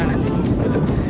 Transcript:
mungkin ada juga nanti skywire